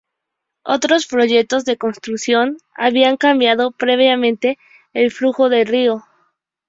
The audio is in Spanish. Otros proyectos de construcción habían cambiado previamente el flujo del río.